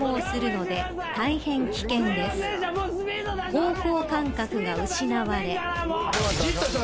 ［方向感覚が失われ］